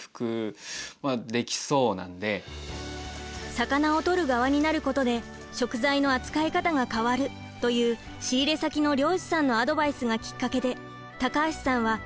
「魚を取る側になることで食材の扱い方が変わる」という仕入れ先の漁師さんのアドバイスがきっかけで高橋さんは転職を決意。